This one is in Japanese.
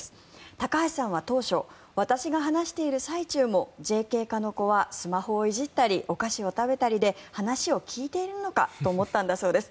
高橋さんは当初私が話している最中もＪＫ課の子はスマホをいじったりお菓子を食べたりで話を聞いているのかと思ったんだそうです。